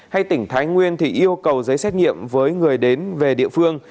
hay tỉnh thái nguyên thì yêu cầu giấy xét nghiệm với người đến về địa phương